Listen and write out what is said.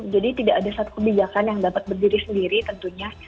jadi tidak ada satu kebijakan yang dapat berdiri sendiri tentunya